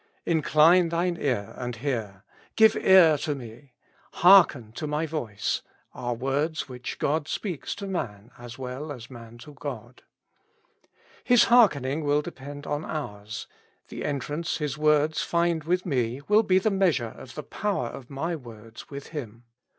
Incline thine ear, and hear ;"" Give ear to me;" ''Hearken to my voice;" are words which God speaks to man as well as man to God. His hearkening will depend on ours ; the entrance His words find with me, will be the measure of the power of my words with Him.